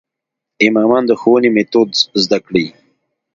امامان د ښوونې میتود زده کړي.